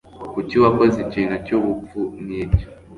Kuki wakoze ikintu cyubupfu nkicyo?